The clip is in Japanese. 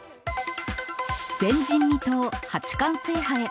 前人未到、八冠制覇へ。